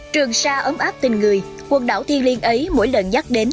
trường sa ấm áp tình người quần đảo thiên liên ấy mỗi lần nhắc đến